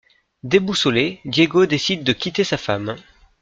Déboussolé, Diego décide de quitter sa femme.